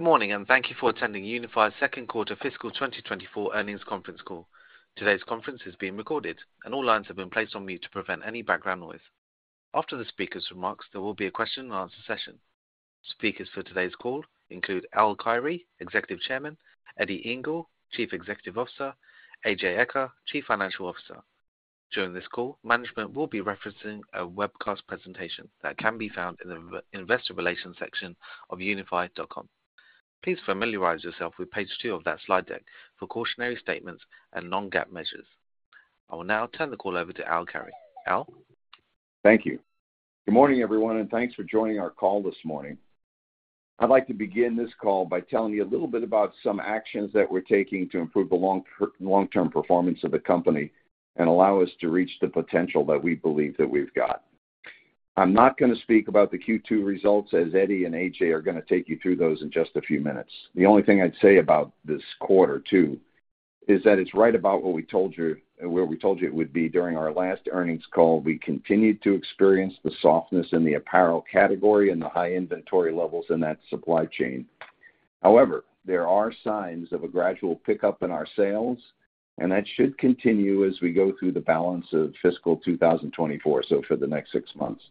Good morning, and thank you for attending Unifi's second quarter fiscal 2024 earnings conference call. Today's conference is being recorded, and all lines have been placed on mute to prevent any background noise. After the speaker's remarks, there will be a question and answer session. Speakers for today's call include Al Carey, Executive Chairman; Eddie Ingle, Chief Executive Officer; A.J. Eaker, Chief Financial Officer. During this call, management will be referencing a webcast presentation that can be found in the investor relations section of unifi.com. Please familiarize yourself with page 2 of that slide deck for cautionary statements and non-GAAP measures. I will now turn the call over to Al Carey. Al? Thank you. Good morning, everyone, and thanks for joining our call this morning. I'd like to begin this call by telling you a little bit about some actions that we're taking to improve the long-term performance of the company and allow us to reach the potential that we believe that we've got. I'm not gonna speak about the Q2 results, as Eddie and AJ are gonna take you through those in just a few minutes. The only thing I'd say about this quarter, too, is that it's right about what we told you, where we told you it would be during our last earnings call. We continued to experience the softness in the apparel category and the high inventory levels in that supply chain. However, there are signs of a gradual pickup in our sales, and that should continue as we go through the balance of fiscal 2024, so for the next 6 months.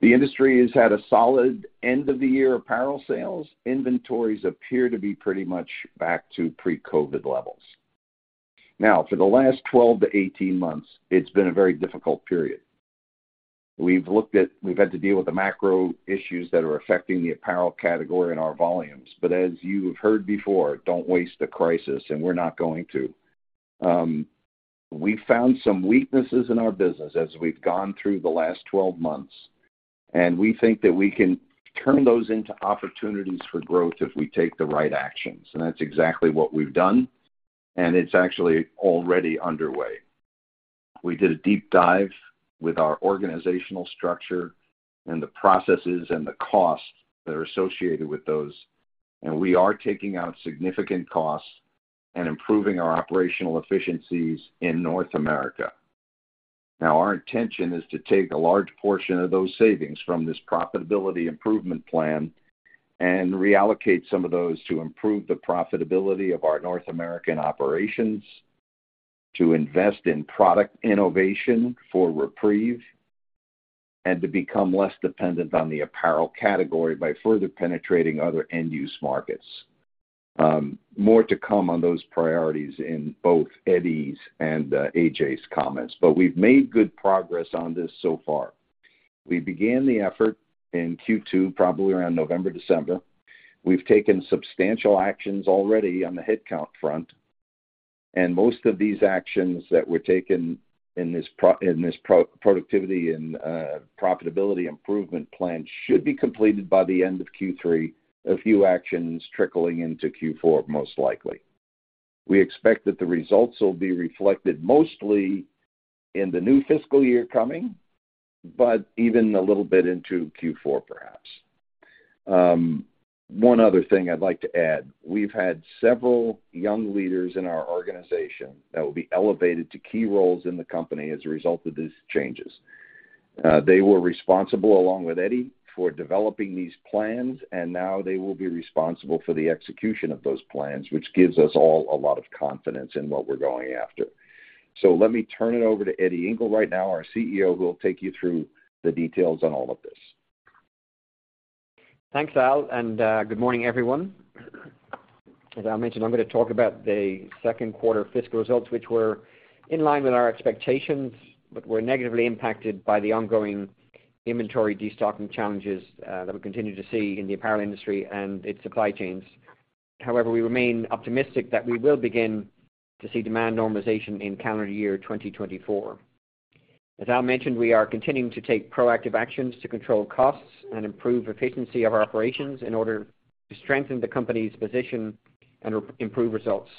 The industry has had a solid end-of-the-year apparel sales. Inventories appear to be pretty much back to pre-COVID levels. Now, for the last 12-18 months, it's been a very difficult period. We've had to deal with the macro issues that are affecting the apparel category and our volumes. But as you've heard before, don't waste a crisis, and we're not going to. We've found some weaknesses in our business as we've gone through the last 12 months, and we think that we can turn those into opportunities for growth if we take the right actions, and that's exactly what we've done, and it's actually already underway. We did a deep dive with our organizational structure and the processes and the costs that are associated with those, and we are taking out significant costs and improving our operational efficiencies in North America. Now, our intention is to take a large portion of those savings from this profitability improvement plan and reallocate some of those to improve the profitability of our North American operations, to invest in product innovation for REPREVE, and to become less dependent on the apparel category by further penetrating other end-use markets. More to come on those priorities in both Eddie's and A.J.'s comments. But we've made good progress on this so far. We began the effort in Q2, probably around November, December. We've taken substantial actions already on the headcount front, and most of these actions that were taken in this productivity and profitability improvement plan should be completed by the end of Q3, a few actions trickling into Q4, most likely. We expect that the results will be reflected mostly in the new fiscal year coming, but even a little bit into Q4, perhaps. One other thing I'd like to add: We've had several young leaders in our organization that will be elevated to key roles in the company as a result of these changes. They were responsible, along with Eddie, for developing these plans, and now they will be responsible for the execution of those plans, which gives us all a lot of confidence in what we're going after. Let me turn it over to Eddie Ingle right now, our CEO, who will take you through the details on all of this. Thanks, Al, and good morning, everyone. As Al mentioned, I'm gonna talk about the second quarter fiscal results, which were in line with our expectations but were negatively impacted by the ongoing inventory destocking challenges that we continue to see in the apparel industry and its supply chains. However, we remain optimistic that we will begin to see demand normalization in calendar year 2024. As Al mentioned, we are continuing to take proactive actions to control costs and improve efficiency of our operations in order to strengthen the company's position and improve results.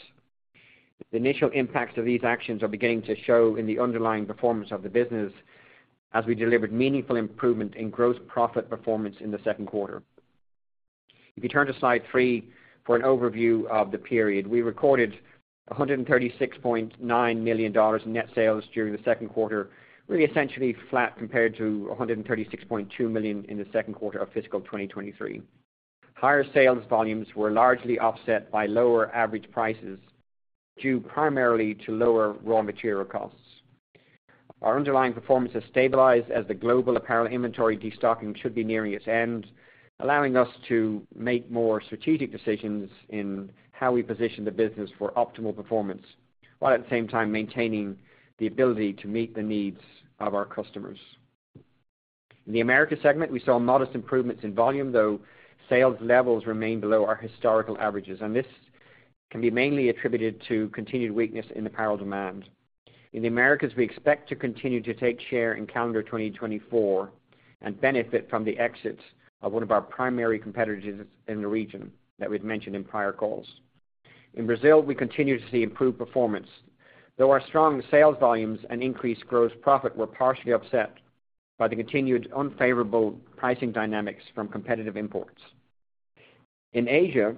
The initial impacts of these actions are beginning to show in the underlying performance of the business, as we delivered meaningful improvement in gross profit performance in the second quarter. If you turn to slide 3 for an overview of the period, we recorded $136.9 million in net sales during the second quarter, really essentially flat compared to $136.2 million in the second quarter of fiscal 2023. Higher sales volumes were largely offset by lower average prices, due primarily to lower raw material costs. Our underlying performance has stabilized as the global apparel inventory destocking should be nearing its end, allowing us to make more strategic decisions in how we position the business for optimal performance, while at the same time maintaining the ability to meet the needs of our customers. In the Americas segment, we saw modest improvements in volume, though sales levels remain below our historical averages, and this can be mainly attributed to continued weakness in apparel demand. In the Americas, we expect to continue to take share in calendar 2024 and benefit from the exits of one of our primary competitors in the region that we'd mentioned in prior calls. In Brazil, we continue to see improved performance, though our strong sales volumes and increased gross profit were partially upset by the continued unfavorable pricing dynamics from competitive imports. In Asia,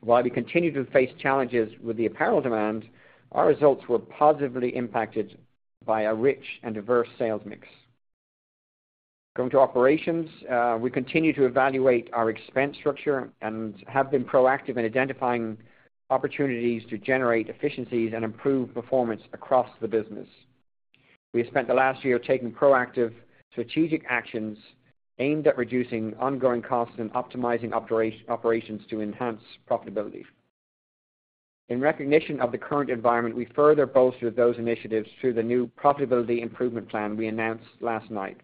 while we continue to face challenges with the apparel demand, our results were positively impacted by a rich and diverse sales mix. Going to operations, we continue to evaluate our expense structure and have been proactive in identifying opportunities to generate efficiencies and improve performance across the business. We spent the last year taking proactive strategic actions aimed at reducing ongoing costs and optimizing operations to enhance profitability. In recognition of the current environment, we further bolstered those initiatives through the new profitability improvement plan we announced last night.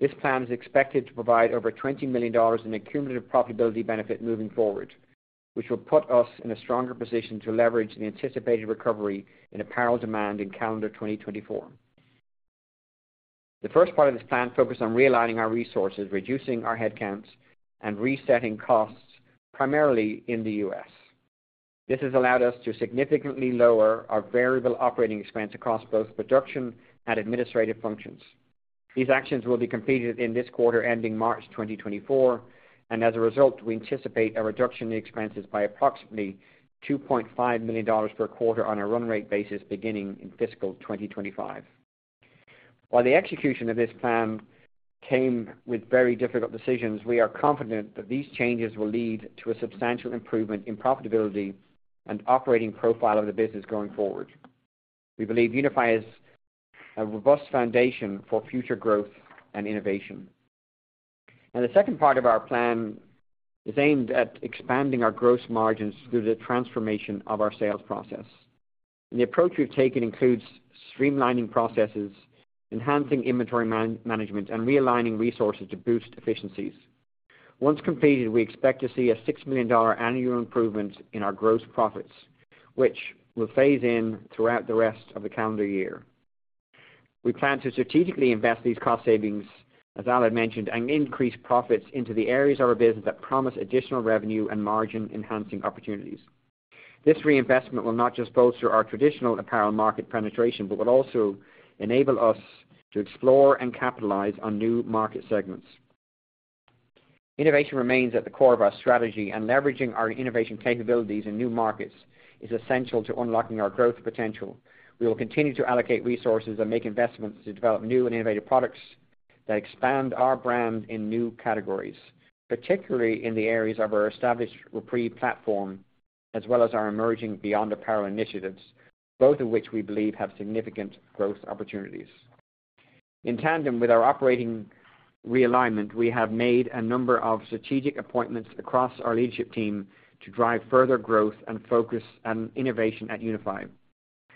This plan is expected to provide over $20 million in a cumulative profitability benefit moving forward, which will put us in a stronger position to leverage the anticipated recovery in apparel demand in calendar 2024. The first part of this plan focused on realigning our resources, reducing our headcounts, and resetting costs, primarily in the U.S. This has allowed us to significantly lower our variable operating expense across both production and administrative functions. These actions will be completed in this quarter ending March 2024, and as a result, we anticipate a reduction in expenses by approximately $2.5 million per quarter on a run rate basis, beginning in fiscal 2025. While the execution of this plan came with very difficult decisions, we are confident that these changes will lead to a substantial improvement in profitability and operating profile of the business going forward. We believe Unifi has a robust foundation for future growth and innovation. The second part of our plan is aimed at expanding our gross margins through the transformation of our sales process. The approach we've taken includes streamlining processes, enhancing inventory management, and realigning resources to boost efficiencies. Once completed, we expect to see a $6 million annual improvement in our gross profits, which will phase in throughout the rest of the calendar year. We plan to strategically invest these cost savings, as Alan mentioned, and increase profits into the areas of our business that promise additional revenue and margin-enhancing opportunities. This reinvestment will not just bolster our traditional apparel market penetration, but will also enable us to explore and capitalize on new market segments. Innovation remains at the core of our strategy, and leveraging our innovation capabilities in new markets is essential to unlocking our growth potential. We will continue to allocate resources and make investments to develop new and innovative products that expand our brand in new categories, particularly in the areas of our established REPREVE platform, as well as our emerging Beyond Apparel initiatives, both of which we believe have significant growth opportunities. In tandem with our operating realignment, we have made a number of strategic appointments across our leadership team to drive further growth and focus on innovation at Unifi.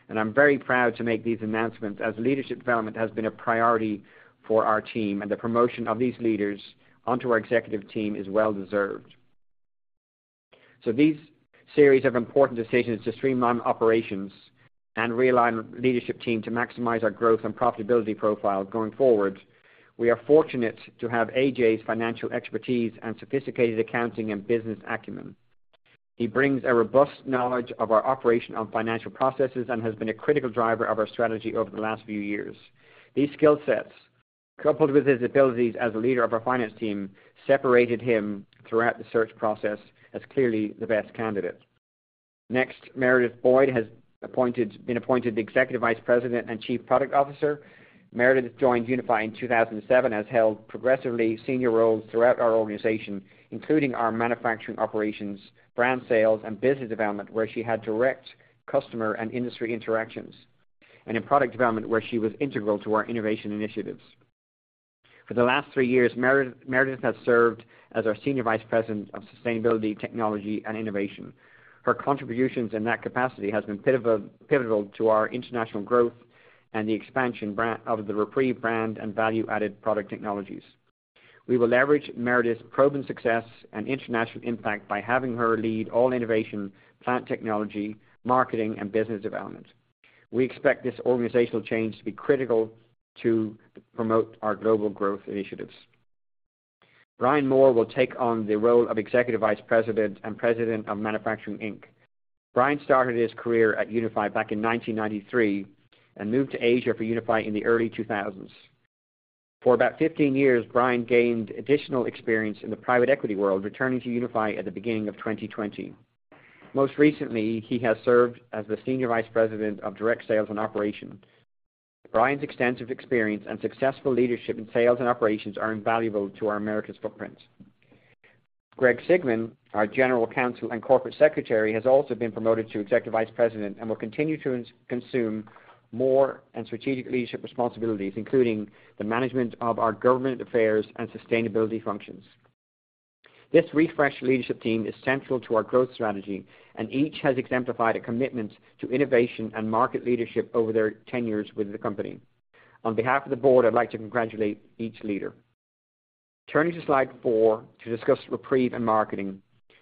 I'm very proud to make these announcements, as leadership development has been a priority for our team, and the promotion of these leaders onto our executive team is well deserved. These series of important decisions to streamline operations and realign leadership team to maximize our growth and profitability profile going forward, we are fortunate to have A.J.'s financial expertise and sophisticated accounting and business acumen. He brings a robust knowledge of our operation of financial processes and has been a critical driver of our strategy over the last few years. These skill sets, coupled with his abilities as a leader of our finance team, separated him throughout the search process as clearly the best candidate. Next, Meredith Boyd has been appointed the Executive Vice President and Chief Product Officer. Meredith joined Unifi in 2007, and has held progressively senior roles throughout our organization, including our manufacturing operations, brand sales, and business development, where she had direct customer and industry interactions, and in product development, where she was integral to our innovation initiatives. For the last three years, Meredith has served as our Senior Vice President of Sustainability, Technology and Innovation. Her contributions in that capacity has been pivotal to our international growth and the expansion of the REPREVE brand and value-added product technologies. We will leverage Meredith's proven success and international impact by having her lead all innovation, plant technology, marketing, and business development. We expect this organizational change to be critical to promote our global growth initiatives. Brian Moore will take on the role of Executive Vice President and President of Manufacturing Inc. Brian started his career at Unifi back in 1993 and moved to Asia for Unifi in the early 2000s. For about 15 years, Brian gained additional experience in the private equity world, returning to Unifi at the beginning of 2020. Most recently, he has served as the Senior Vice President of Direct Sales and Operations. Brian's extensive experience and successful leadership in sales and operations are invaluable to our Americas footprint. Greg Sigmon, our General Counsel and Corporate Secretary, has also been promoted to Executive Vice President and will continue to assume more hands-on and strategic leadership responsibilities, including the management of our government affairs and sustainability functions. This refreshed leadership team is central to our growth strategy, and each has exemplified a commitment to innovation and market leadership over their tenures with the company. On behalf of the board, I'd like to congratulate each leader. Turning to slide 4 to discuss REPREVE and marketing.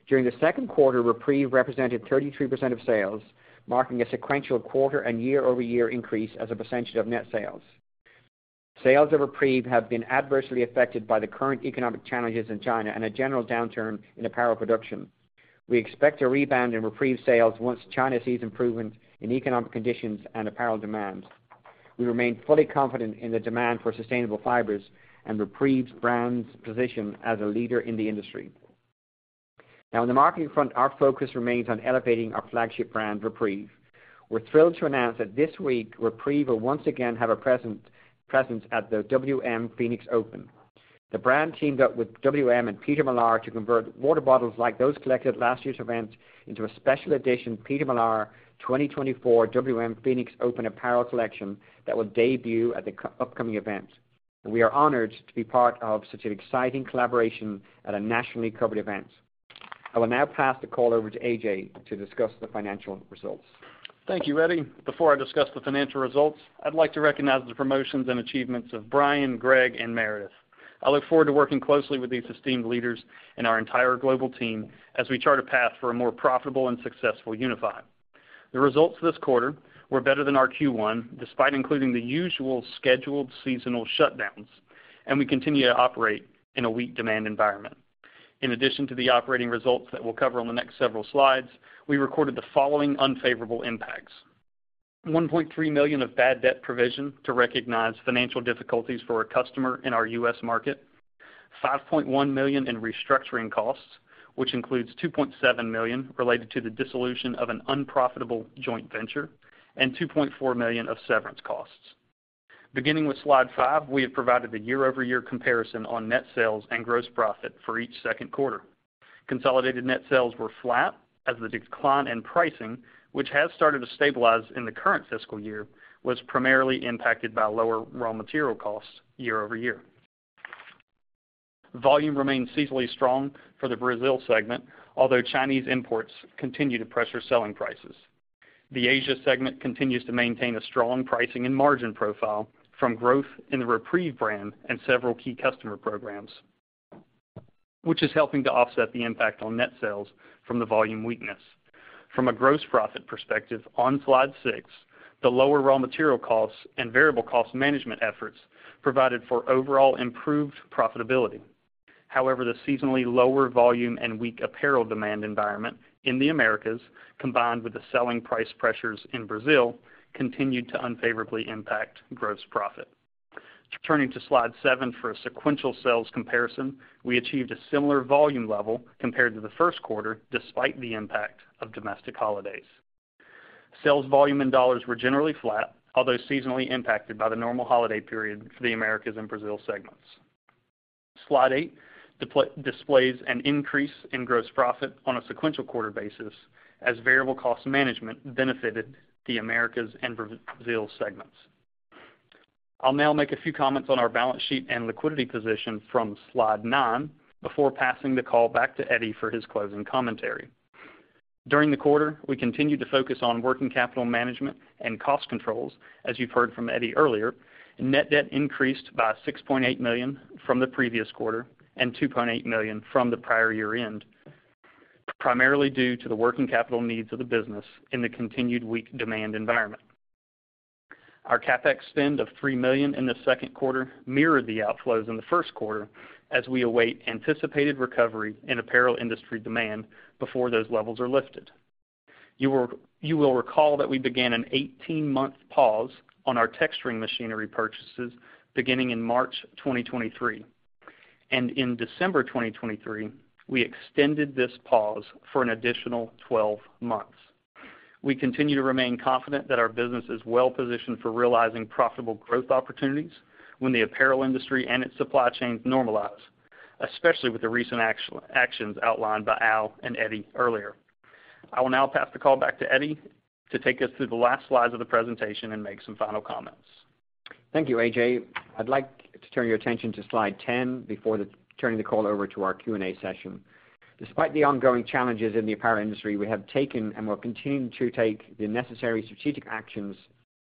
During the second quarter, REPREVE represented 33% of sales, marking a sequential quarter and year-over-year increase as a percentage of net sales. Sales of REPREVE have been adversely affected by the current economic challenges in China and a general downturn in apparel production. We expect a rebound in REPREVE sales once China sees improvement in economic conditions and apparel demands. We remain fully confident in the demand for sustainable fibers and REPREVE's brand's position as a leader in the industry. Now, on the marketing front, our focus remains on elevating our flagship brand, REPREVE. We're thrilled to announce that this week, REPREVE will once again have a presence at the WM Phoenix Open. The brand teamed up with WM and Peter Millar to convert water bottles like those collected at last year's event into a special edition Peter Millar 2024 WM Phoenix Open apparel collection that will debut at the upcoming event. We are honored to be part of such an exciting collaboration at a nationally covered event. I will now pass the call over to A.J. to discuss the financial results. Thank you, Eddie. Before I discuss the financial results, I'd like to recognize the promotions and achievements of Brian, Greg, and Meredith. I look forward to working closely with these esteemed leaders and our entire global team as we chart a path for a more profitable and successful Unifi. The results this quarter were better than our Q1, despite including the usual scheduled seasonal shutdowns, and we continue to operate in a weak demand environment. In addition to the operating results that we'll cover on the next several slides, we recorded the following unfavorable impacts: $1.3 million of bad debt provision to recognize financial difficulties for a customer in our U.S. market, $5.1 million in restructuring costs, which includes $2.7 million related to the dissolution of an unprofitable joint venture, and $2.4 million of severance costs. Beginning with Slide 5, we have provided the year-over-year comparison on net sales and gross profit for each second quarter. Consolidated net sales were flat, as the decline in pricing, which has started to stabilize in the current fiscal year, was primarily impacted by lower raw material costs year-over-year. Volume remained seasonally strong for the Brazil segment, although Chinese imports continue to pressure selling prices. The Asia segment continues to maintain a strong pricing and margin profile from growth in the REPREVE brand and several key customer programs, which is helping to offset the impact on net sales from the volume weakness. From a gross profit perspective, on Slide 6, the lower raw material costs and variable cost management efforts provided for overall improved profitability. However, the seasonally lower volume and weak apparel demand environment in the Americas, combined with the selling price pressures in Brazil, continued to unfavorably impact gross profit. Turning to Slide 7 for a sequential sales comparison, we achieved a similar volume level compared to the first quarter, despite the impact of domestic holidays. Sales volume in dollars were generally flat, although seasonally impacted by the normal holiday period for the Americas and Brazil segments. Slide 8 displays an increase in gross profit on a sequential quarter basis, as variable cost management benefited the Americas and Brazil segments. I'll now make a few comments on our balance sheet and liquidity position from Slide 9 before passing the call back to Eddie for his closing commentary. During the quarter, we continued to focus on working capital management and cost controls, as you've heard from Eddie earlier. Net debt increased by $6.8 million from the previous quarter and $2.8 million from the prior year-end, primarily due to the working capital needs of the business in the continued weak demand environment. Our CapEx spend of $3 million in the second quarter mirrored the outflows in the first quarter, as we await anticipated recovery in apparel industry demand before those levels are lifted. You will, you will recall that we began an 18-month pause on our texturing machinery purchases beginning in March 2023, and in December 2023, we extended this pause for an additional 12 months. We continue to remain confident that our business is well positioned for realizing profitable growth opportunities when the apparel industry and its supply chains normalize, especially with the recent actions outlined by Al and Eddie earlier. I will now pass the call back to Eddie to take us through the last slides of the presentation and make some final comments. Thank you, A.J. I'd like to turn your attention to Slide 10 before turning the call over to our Q&A session. Despite the ongoing challenges in the apparel industry, we have taken and will continue to take the necessary strategic actions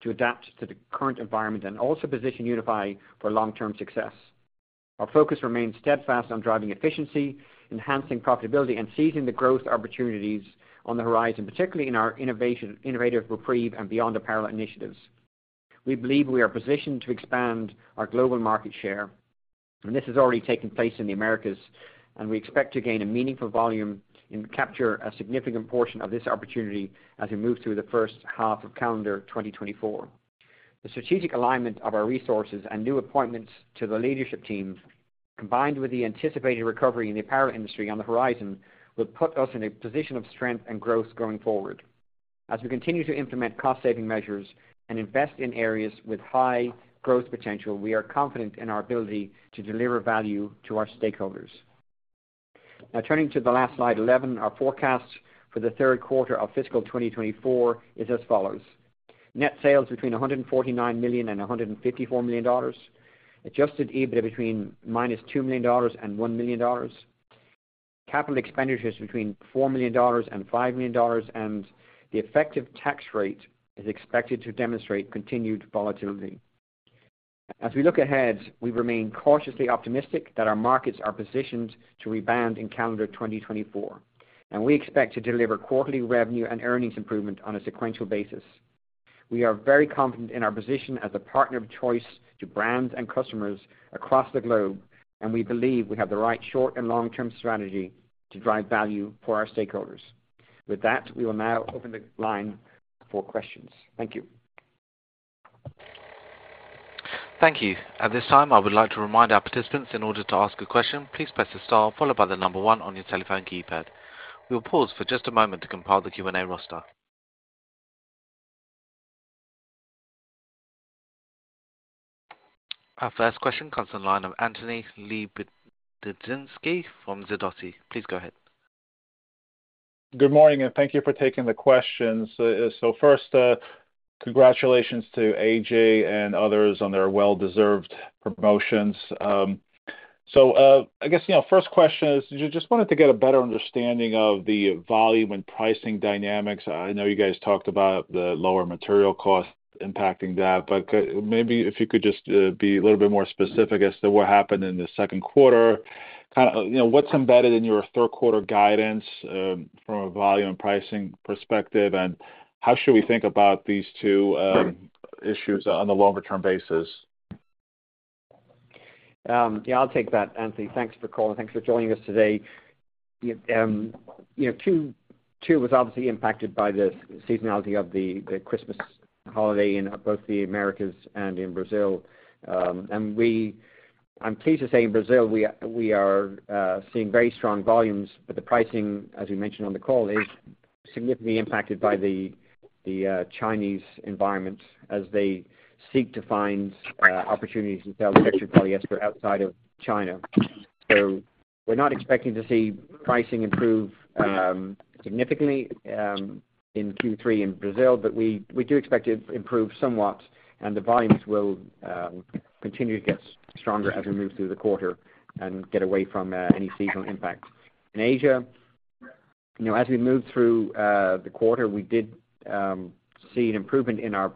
to adapt to the current environment and also position Unifi for long-term success. Our focus remains steadfast on driving efficiency, enhancing profitability, and seizing the growth opportunities on the horizon, particularly in our innovative REPREVE and Beyond Apparel initiatives. We believe we are positioned to expand our global market share, and this has already taken place in the Americas, and we expect to gain a meaningful volume and capture a significant portion of this opportunity as we move through the first half of calendar 2024. The strategic alignment of our resources and new appointments to the leadership team, combined with the anticipated recovery in the apparel industry on the horizon, will put us in a position of strength and growth going forward. As we continue to implement cost-saving measures and invest in areas with high growth potential, we are confident in our ability to deliver value to our stakeholders. Now, turning to the last slide, 11, our forecast for the third quarter of fiscal 2024 is as follows: net sales between $149 million and $154 million, Adjusted EBITDA between -$2 million and $1 million, capital expenditures between $4 million and $5 million, and the effective tax rate is expected to demonstrate continued volatility. As we look ahead, we remain cautiously optimistic that our markets are positioned to rebound in calendar 2024, and we expect to deliver quarterly revenue and earnings improvement on a sequential basis. We are very confident in our position as a partner of choice to brands and customers across the globe, and we believe we have the right short- and long-term strategy to drive value for our stakeholders. With that, we will now open the line for questions. Thank you. ... Thank you. At this time, I would like to remind our participants, in order to ask a question, please press the star followed by the number one on your telephone keypad. We'll pause for just a moment to compile the Q&A roster. Our first question comes on the line of Anthony Lebiedzinski from Sidoti. Please go ahead. Good morning, and thank you for taking the questions. So first, congratulations to A.J. and others on their well-deserved promotions. So, I guess, you know, first question is, just wanted to get a better understanding of the volume and pricing dynamics. I know you guys talked about the lower material costs impacting that, but maybe if you could just be a little bit more specific as to what happened in the second quarter. Kind of, you know, what's embedded in your third quarter guidance, from a volume and pricing perspective, and how should we think about these two issues on the longer term basis? Yeah, I'll take that, Anthony. Thanks for calling. Thanks for joining us today. You know, Q2 was obviously impacted by the seasonality of the Christmas holiday in both the Americas and in Brazil. And I'm pleased to say in Brazil, we are seeing very strong volumes, but the pricing, as we mentioned on the call, is significantly impacted by the Chinese environment as they seek to find opportunities to sell excess polyester outside of China. So we're not expecting to see pricing improve significantly in Q3 in Brazil, but we do expect it to improve somewhat, and the volumes will continue to get stronger as we move through the quarter and get away from any seasonal impacts. In Asia, you know, as we moved through the quarter, we did see an improvement in our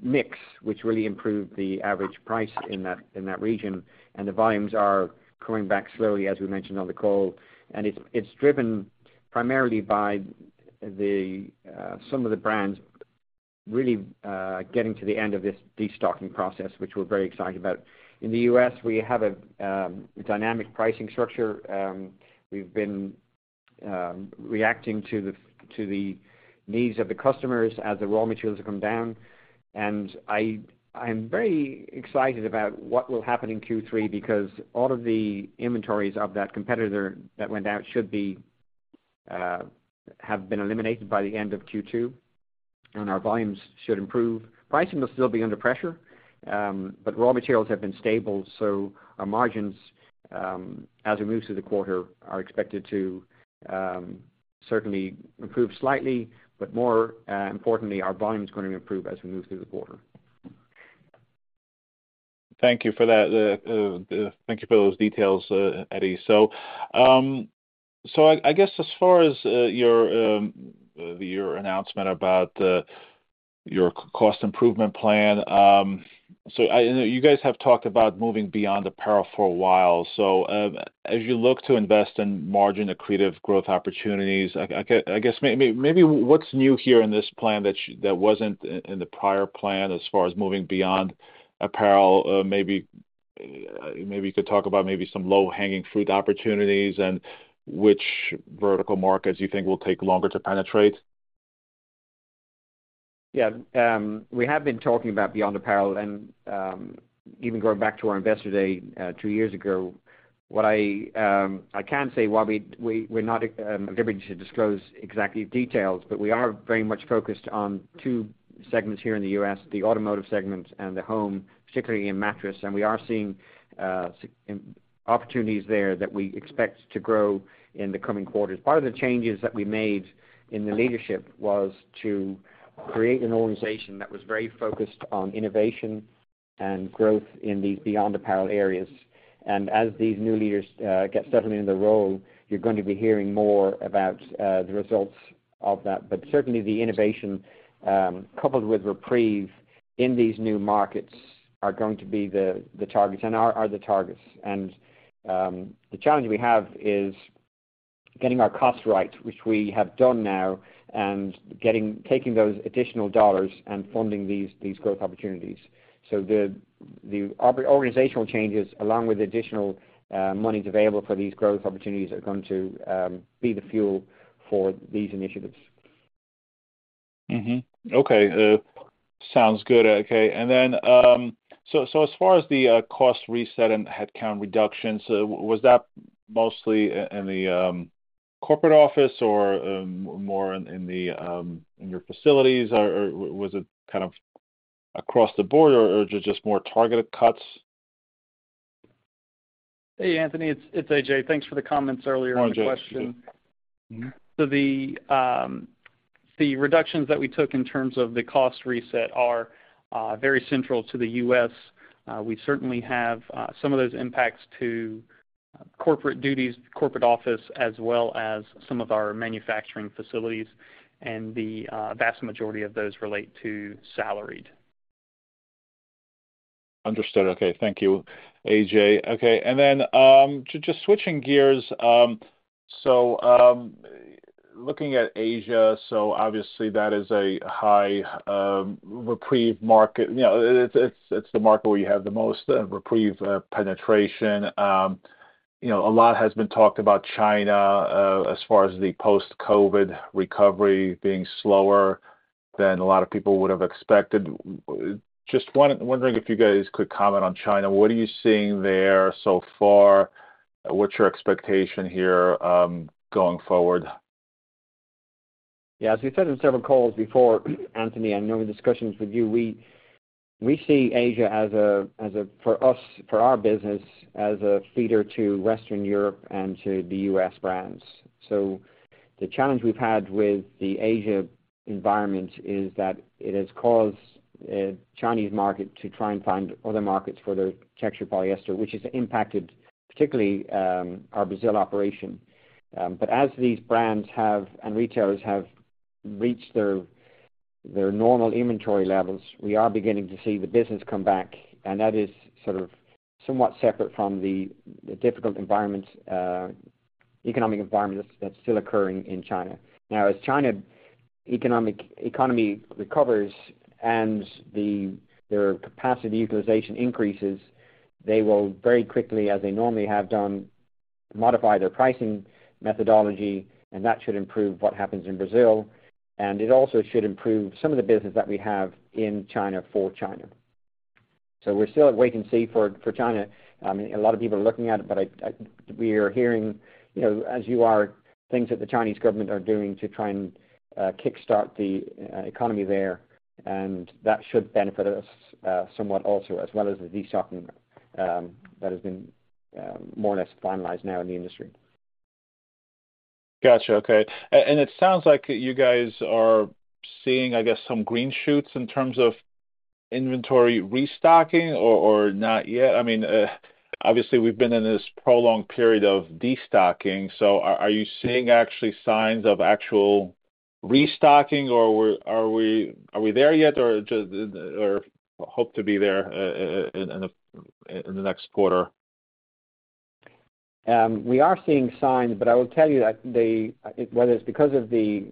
mix, which really improved the average price in that region, and the volumes are coming back slowly, as we mentioned on the call. It's driven primarily by some of the brands really getting to the end of this destocking process, which we're very excited about. In the U.S., we have a dynamic pricing structure. We've been reacting to the needs of the customers as the raw materials have come down. I'm very excited about what will happen in Q3 because all of the inventories of that competitor that went out should have been eliminated by the end of Q2, and our volumes should improve. Pricing will still be under pressure, but raw materials have been stable, so our margins, as we move through the quarter, are expected to certainly improve slightly, but more importantly, our volume is going to improve as we move through the quarter. Thank you for that. Thank you for those details, Eddie. So, I guess as far as your announcement about your cost improvement plan, so I... You guys have talked about moving beyond apparel for a while. So, as you look to invest in margin-accretive growth opportunities, I guess maybe what's new here in this plan that wasn't in the prior plan as far as moving beyond apparel? Maybe you could talk about maybe some low-hanging fruit opportunities and which vertical markets you think will take longer to penetrate. Yeah. We have been talking about Beyond Apparel, and, even going back to our Investor Day, two years ago. What I can say, while we're not at liberty to disclose exactly details, but we are very much focused on two segments here in the U.S., the automotive segment and the home, particularly in mattress. And we are seeing opportunities there that we expect to grow in the coming quarters. Part of the changes that we made in the leadership was to create an organization that was very focused on innovation and growth in these Beyond Apparel areas. And as these new leaders get settled into the role, you're going to be hearing more about the results of that. But certainly, the innovation, coupled with REPREVE in these new markets, are going to be the targets and are the targets. The challenge we have is getting our costs right, which we have done now, and taking those additional dollars and funding these growth opportunities. The organizational changes, along with additional monies available for these growth opportunities, are going to be the fuel for these initiatives. Mm-hmm. Okay. Sounds good. Okay. And then, so as far as the cost reset and headcount reductions, was that mostly in the corporate office or more in your facilities? Or was it kind of across the board, or just more targeted cuts? Hey, Anthony, it's A.J. Thanks for the comments earlier on the question. Mm-hmm. So the reductions that we took in terms of the cost reset are very central to the U.S. We certainly have some of those impacts to corporate duties, corporate office, as well as some of our manufacturing facilities, and the vast majority of those relate to salaried. Understood. Okay. Thank you, A.J. Okay, and then, just switching gears, so, looking at Asia, so obviously that is a high, REPREVE market. You know, it's the market where you have the most, REPREVE, penetration. You know, a lot has been talked about China, as far as the post-COVID recovery being slower than a lot of people would have expected. Just wondering if you guys could comment on China. What are you seeing there so far? What's your expectation here, going forward? Yeah, as we've said on several calls before, Anthony, I know in discussions with you, we see Asia as a, for us, for our business, as a feeder to Western Europe and to the U.S. brands. So the challenge we've had with the Asia environment is that it has caused Chinese market to try and find other markets for their textured polyester, which has impacted, particularly, our Brazil operation. But as these brands have, and retailers have reached their normal inventory levels, we are beginning to see the business come back, and that is sort of somewhat separate from the difficult economic environment that's still occurring in China. Now, as China's economy recovers and their capacity utilization increases, they will very quickly, as they normally have done, modify their pricing methodology, and that should improve what happens in Brazil. And it also should improve some of the business that we have in China for China. So we're still at wait and see for China. I mean, a lot of people are looking at it, but we are hearing, you know, as you are, things that the Chinese government are doing to try and kickstart the economy there, and that should benefit us somewhat also, as well as the destocking that has been more or less finalized now in the industry. Gotcha. Okay. And it sounds like you guys are seeing, I guess, some green shoots in terms of inventory restocking, or not yet? I mean, obviously, we've been in this prolonged period of destocking, so are you seeing actually signs of actual restocking, or are we there yet, or just hope to be there in the next quarter? We are seeing signs, but I will tell you that whether it's because of the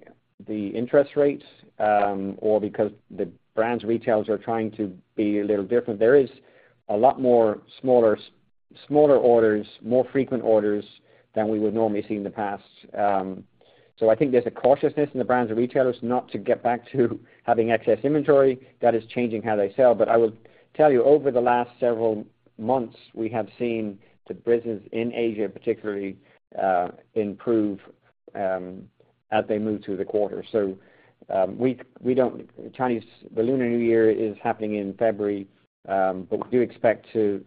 interest rates, or because the brands, retailers are trying to be a little different, there is a lot more smaller, smaller orders, more frequent orders than we would normally see in the past. So I think there's a cautiousness in the brands and retailers not to get back to having excess inventory. That is changing how they sell. But I will tell you, over the last several months, we have seen the business in Asia, particularly, improve, as they move through the quarter. So, the Lunar New Year is happening in February, but we do expect to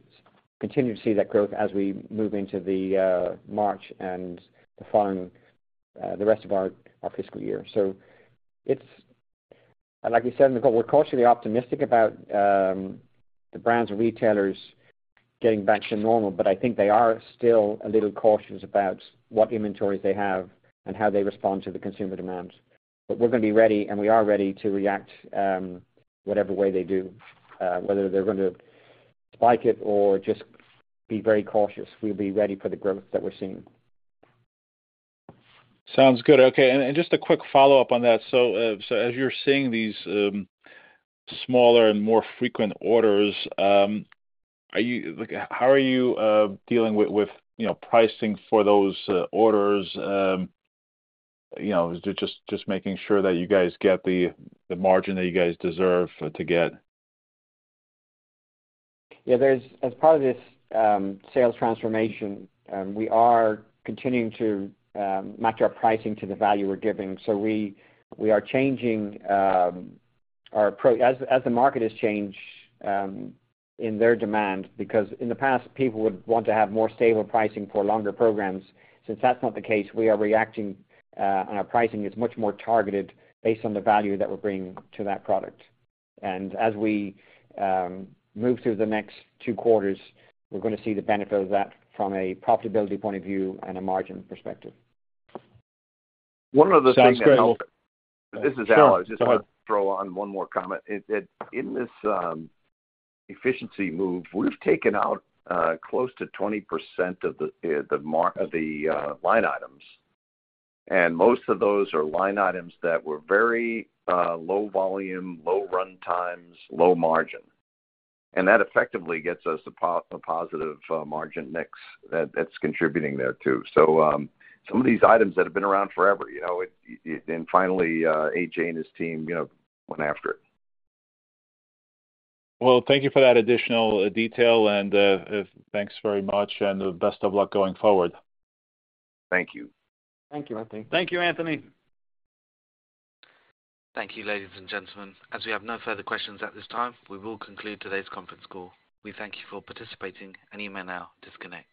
continue to see that growth as we move into March and the following, the rest of our fiscal year. So it's... Like we said before, we're cautiously optimistic about the brands and retailers getting back to normal, but I think they are still a little cautious about what inventories they have and how they respond to the consumer demands. But we're gonna be ready, and we are ready to react whatever way they do, whether they're gonna spike it or just be very cautious, we'll be ready for the growth that we're seeing. Sounds good. Okay, and just a quick follow-up on that. So, as you're seeing these smaller and more frequent orders, are you—like, how are you dealing with, you know, pricing for those orders? You know, just making sure that you guys get the margin that you guys deserve to get. Yeah, there's, as part of this, sales transformation, we are continuing to match our pricing to the value we're giving. So we, we are changing, our approach—as, as the market has changed, in their demand, because in the past, people would want to have more stable pricing for longer programs. Since that's not the case, we are reacting, and our pricing is much more targeted based on the value that we're bringing to that product. And as we move through the next two quarters, we're gonna see the benefit of that from a profitability point of view and a margin perspective. One other thing that- Sounds great. This is Alan. Sure. I just want to throw on one more comment. In this efficiency move, we've taken out close to 20% of the line items, and most of those are line items that were very low volume, low run times, low margin. And that effectively gets us a positive margin mix that's contributing there, too. So, some of these items that have been around forever, you know, it and finally A.J. and his team, you know, went after it. Well, thank you for that additional detail, and thanks very much, and best of luck going forward. Thank you. Thank you, Anthony. Thank you, Anthony. Thank you, ladies and gentlemen. As we have no further questions at this time, we will conclude today's conference call. We thank you for participating, and you may now disconnect.